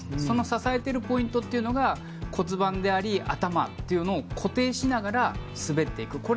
その支えているポイントが骨盤であり頭というのを固定しながら滑っていく。